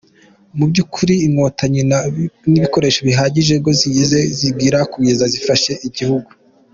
Mu by’ukuri Inkotanyi nta bikoresho bihagije ngo zigeze zigira kugeza zifashe igihugu.